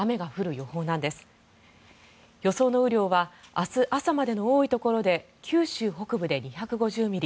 予想の雨量は明日朝までの多いところで九州北部で２５０ミリ